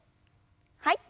はい。